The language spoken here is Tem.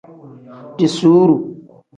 Diiziru.